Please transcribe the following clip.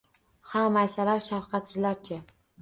Ha, maysalar shavqatsizlarcha